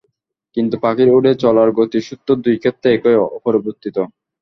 কিন্তু পাখির উড়ে চলার গতির সূত্র দুই ক্ষেত্রে একই, অপরিবর্তিত।